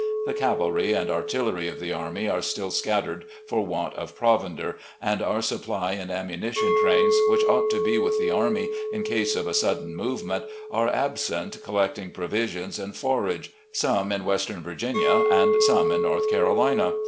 The cavalry and artilleiy of the army are still scattered for want of provender, and our supply and ammunition trains, which ought to be with the army in case of a sudden movement, are absent collecting provisions and forage — some in western Vir ginia and some in North Carolina.